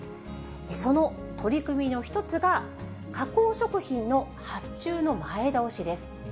その取り組みの一つが、加工食品の発注の前倒しです。